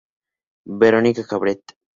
Verónica Crabtree.